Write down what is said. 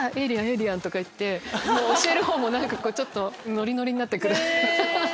エイリアン！とかいって教えるほうもちょっとノリノリになって来る。